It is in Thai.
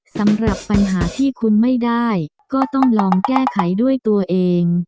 สำหรับปัญหาที่คุณไม่ได้ก็ต้องลองแก้ไขด้วยตัวเอง